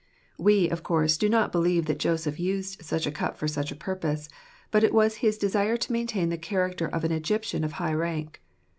We, of course, do not believe that Joseph used such a cup for such a purpose; but it was his desire to maintain the character of an Egyptian of high rank.